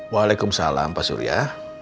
waalaikumsalam pak surya